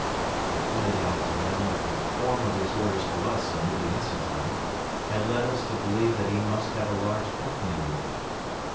I pointed out to him that the form of his orders to us in Uliassutai had led us to believe that he must have a large company with him.